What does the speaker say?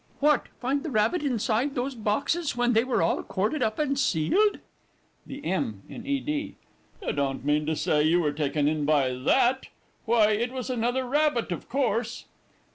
What, find the rabbit inside those boxes, when they were all corded up, and sealed! THE M. IN E. D. You don't mean to say you were taken in by that! Why, it was another rabbit, of course!